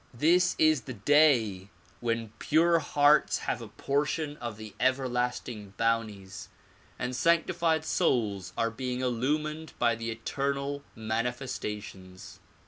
This is the day when pure hearts have a portion of the ever lasting bounties and sanctified souls are being illumined by the eternal manifestations.